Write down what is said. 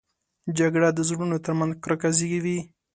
جګړه د زړونو تر منځ کرکه زېږوي